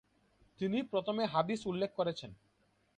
তিনি প্রথমে হাদীস উল্লেখ করেছেন।